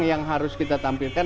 yang harus kita tampilkan